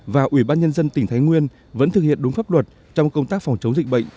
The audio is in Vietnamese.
và ủy ban nhân dân tỉnh thái nguyên vẫn thực hiện đúng pháp luật trong công tác phòng chống dịch bệnh